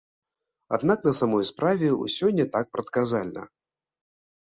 Аднак на самай справе ўсё не так прадказальна.